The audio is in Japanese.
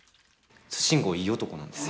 慎吾いい男なんです。